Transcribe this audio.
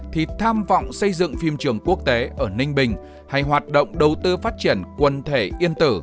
thì tham vọng xây dựng phim trường quốc tế ở ninh bình hay hoạt động đầu tư phát triển quần thể yên tử